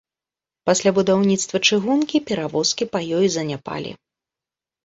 Пасля будаўніцтва чыгункі перавозкі па ёй заняпалі.